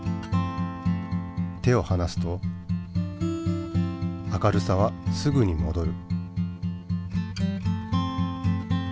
手をはなすと明るさはすぐにもどる。